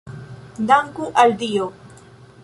Danku al Dio!